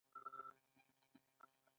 په دې ټولګه کې د کار وسایل هم شامل دي.